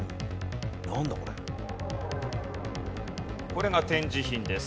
これが展示品です。